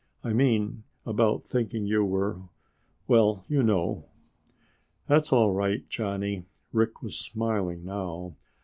I mean about thinking you were well you know." "That's all right, Johnny." Rick was smiling now.